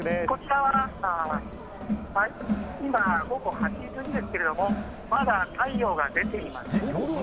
こちらは今午後８時過ぎですけれどもまだ太陽が出ています。